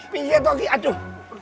pijat lagi aduh